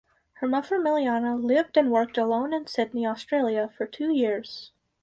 Her mother Miliana lived and worked alone in Sydney, Australia for two years.